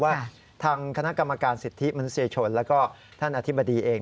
ว่าทางคณะกรรมการสิทธิมนุษยชนแล้วก็ท่านอธิบดีเอง